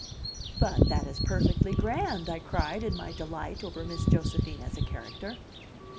"But that is perfectly grand!" I cried in my delight over Miss Josephine as a character.